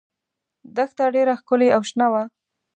دښته ډېره ښکلې او شنه وه.